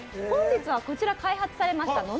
本日はこちらを開発されました